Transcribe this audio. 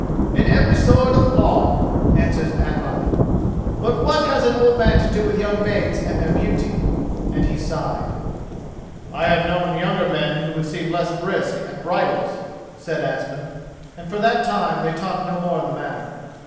"In every sword a flaw," answers Atli; "but what has an old man to do with young maids and their beauty?" and he sighed. "I have known younger men who would seem less brisk at bridals," said Asmund, and for that time they talked no more of the matter.